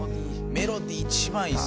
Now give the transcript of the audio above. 『メロディー』一番いいっす。